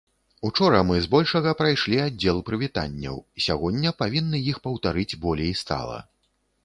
Учора мы збольшага прайшлі аддзел прывітанняў, сягоння павінны іх паўтарыць болей стала.